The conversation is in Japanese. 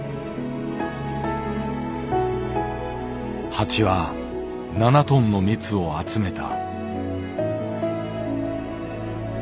蜂は７トンの蜜を集めた。